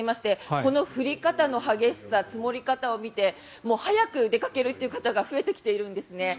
この降り方の激しさ積もり方を見て早く出かけるという方が増えてきてるんですね。